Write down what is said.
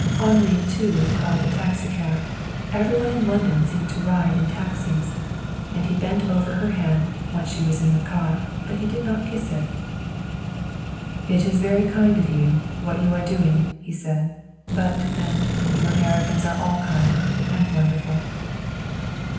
Henri, too, called a taxicab. Every one in London seemed to ride in taxis. And he bent over her hand, once she was in the car, but he did not kiss it. "It is very kind of you, what you are doing," he said. "But, then, you Americans are all kind. And wonderful."